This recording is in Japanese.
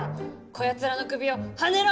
こやつらの首をはねろ！